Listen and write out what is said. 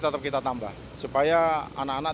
tetap kita tambah supaya anak anak